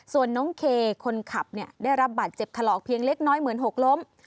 ส่วนน้องเคคนขับได้รับบาดเจ็บถลอกเพียงเล็กน้อยเหมือนหกล้ม